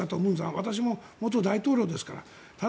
私は元大統領ですからと。